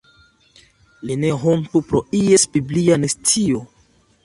Li ne hontu pro ies biblia nescio.